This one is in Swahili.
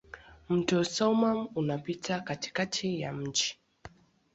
Mto Soummam unapita katikati ya mji.